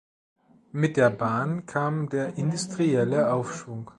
Mit der Bahn kam der industrielle Aufschwung.